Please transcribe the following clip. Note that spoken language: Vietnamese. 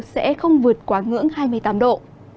sẽ không vượt quá ngưỡng hai mươi tám độ